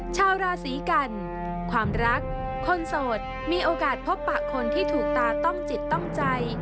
ชาวราศีกันความรักคนโสดมีโอกาสพบปะคนที่ถูกตาต้องจิตต้องใจ